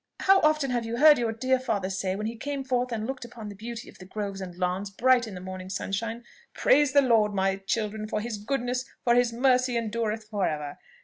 How often have you heard your dear father say, when he came forth and looked upon the beauty of the groves and lawns, bright in the morning sunshine, 'Praise the Lord, my children, for his goodness, for his mercy endureth for ever!'